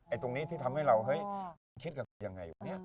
ไอ้ตรงนี้ที่ทำให้เราเฮ้ยคิดกับอย่างไรวะ